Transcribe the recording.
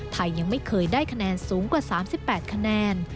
ยังไม่เคยได้คะแนนสูงกว่า๓๘คะแนน